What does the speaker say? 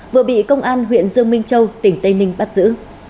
vừa bị công an huyện dương minh châu tỉnh tây ninh bắt giữ